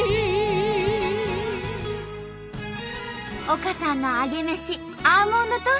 丘さんのアゲメシアーモンドトースト。